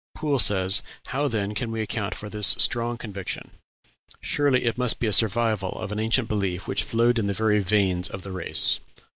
Poole says, "How then can we account for this strong conviction? Surely it must be a survival of an ancient belief which flowed in the very veins of the race."